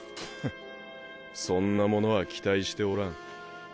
フッそんなものは期待しておらん。